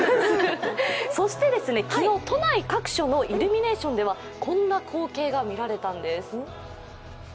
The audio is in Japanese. そして昨日、都内各所のイルミネーションではこんな光景が見られたんです。